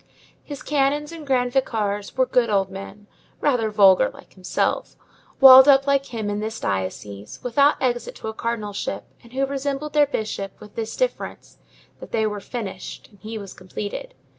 His canons and grand vicars were good old men, rather vulgar like himself, walled up like him in this diocese, without exit to a cardinalship, and who resembled their bishop, with this difference, that they were finished and he was completed.